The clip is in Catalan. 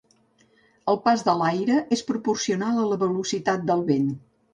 El pas de l'aire és proporcional a la velocitat del vent.